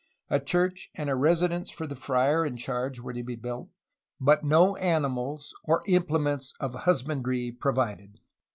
A church and a residence for the friar in charge were to be built, but no animals or implements of husbandry provided.